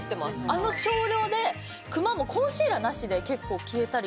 あの少量でくまもコンシーラーなしで結構消えたり。